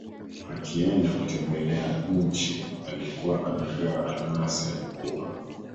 Akienda kutembelea nchi alikuwa anagawa almasi Alikuwa